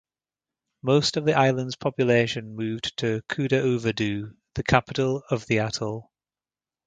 Most of the island's population moved to Kudahuvadhoo, the capital of the atoll.